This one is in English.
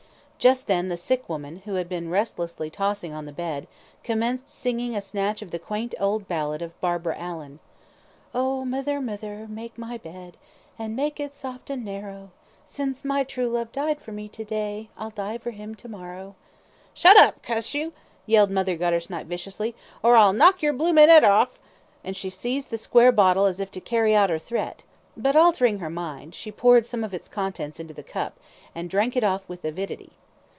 Just then the sick woman, who had been restlessly tossing on the bed, commenced singing a snatch of the quaint old ballad of "Barbara Allen" "Oh, mither, mither, mak' my bed, An' mak' it saft an' narrow; Since my true love died for me to day I'll die for him to morrow." "Shut up, cuss you!" yelled Mother Guttersnipe, viciously, "or I'll knock yer bloomin' 'ead orf," and she seized the square bottle as if to carry out her threat; but, altering her mind, she poured some of its contents into the cup, and drank it off with avidity.